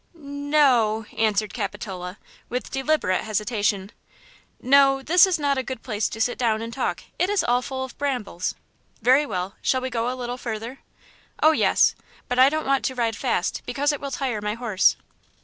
"N n no," answered Capitola, with deliberate hesitation; "no, this is not a good place to sit down and talk; it's all full of brambles." "Very well; shall we go a little further?" "Oh, yes; but I don't want to ride fast, because it will tire my horse."